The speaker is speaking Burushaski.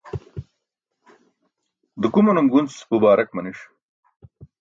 dukumanum gunc bubaarak maniṣ